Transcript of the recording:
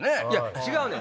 違うねん！